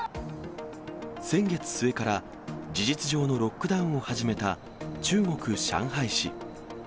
先月末から事実上のロックダウンを始めた中国・上海市。